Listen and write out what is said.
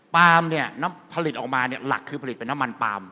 ปลามผลิตไปรักคือเป็นน้ำมันปลาม